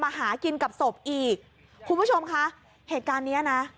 หากินกับศพอีกคุณผู้ชมคะเหตุการณ์เนี้ยนะ